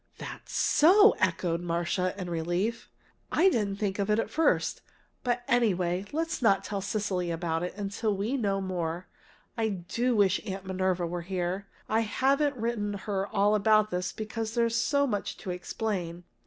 "That's so!" echoed Marcia, in relief. "I didn't think of it at first. But, anyway, let's not tell Cecily about it till we know more. I do wish Aunt Minerva were here! I haven't written her about all this because there's so much to explain.